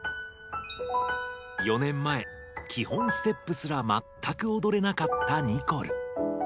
４年前基本ステップすらまったくおどれなかったニコル。